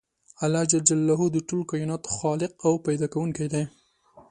الله ج د ټولو کایناتو خالق او پیدا کوونکی دی .